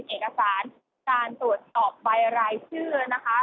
เป็นเอกสารการตรวจตอบบายรายชื่อ